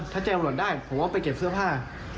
ถ้าแจ้งตำรวจได้ผมก็ไปเก็บเสื้อผ้า